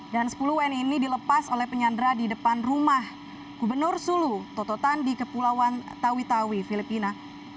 dan sepuluh wni ini dilepas oleh penyandra di depan rumah gubernur sulu tototan di kepulauan tawi tawi filipina